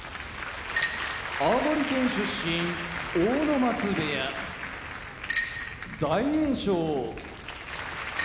青森県出身阿武松部屋大栄翔埼玉県出身